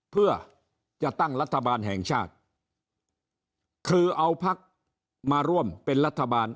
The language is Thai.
เพื่อจะตั้งรัฐบาลแห่งชาติคือเอาพักมาร่วมเป็นรัฐบาล